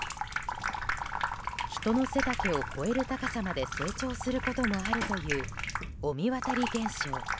人の背丈を超える高さまで成長することもあるという御神渡り現象。